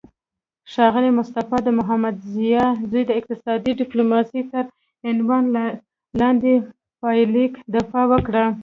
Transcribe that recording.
ښاغلی مصطفی د محمدضیا زوی د اقتصادي ډیپلوماسي تر عنوان لاندې پایلیک دفاع وکړه